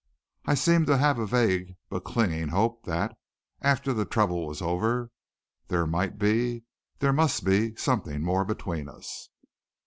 I seemed to have a vague but clinging hope that, after the trouble was over, there might be there must be something more between us.